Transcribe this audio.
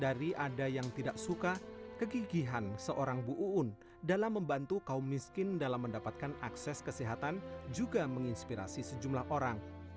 dari ada yang tidak suka kegigihan seorang bu uun dalam membantu kaum miskin dalam mendapatkan akses kesehatan juga menginspirasi sejumlah orang